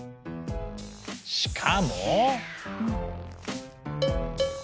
しかも。